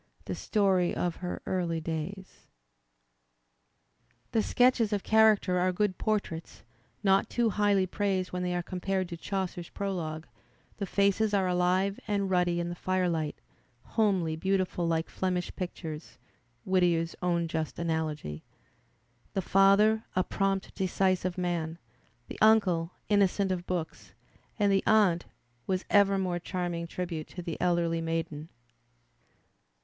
The story of her early days. The sketches of character are good portraits, not too highly praised when they are compared to Chaucer's Pro logue; the faces are aUve and ruddy in the firelight, homely beautiful like "Flemish pictures" (Whittier's own just ft^ogy) — tiie father^ a "prompt, decisive man,'' the uncle "innocent of books," and the aunt — was ever more charm ing tribute to the elderly maiden?